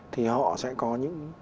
thì họ sẽ có những